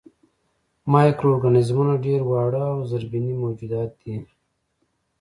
مایکرو ارګانیزمونه ډېر واړه او زرېبيني موجودات دي.